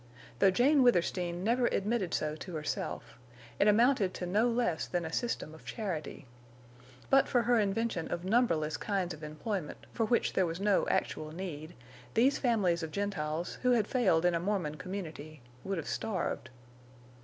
Though Jane Withersteen never admitted so to herself, it amounted to no less than a system of charity. But for her invention of numberless kinds of employment, for which there was no actual need, these families of Gentiles, who had failed in a Mormon community, would have starved.